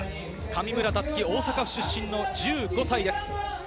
上村竜生、大阪府出身の１５歳です。